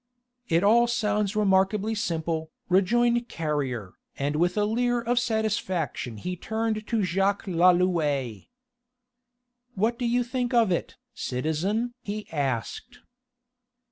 "It all sounds remarkably simple," rejoined Carrier, and with a leer of satisfaction he turned to Jacques Lalouët. "What think you of it, citizen?" he asked.